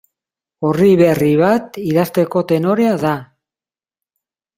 Orri berri bat idazteko tenorea da.